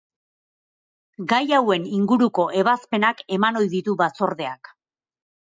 Gai hauen inguruko ebazpenak eman ohi ditu Batzordeak.